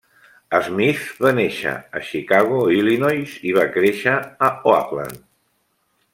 Smith va néixer a Chicago, Illinois i va créixer a Oakland.